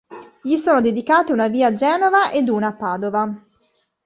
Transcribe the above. Gli sono dedicate una via a Genova ed una a Padova.